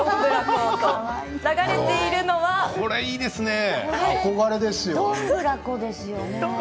これは、いいですね。